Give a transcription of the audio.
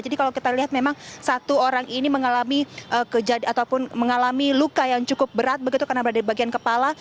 jadi kalau kita lihat memang satu orang ini mengalami kejadian ataupun mengalami luka yang cukup berat begitu karena berada di bagian kepala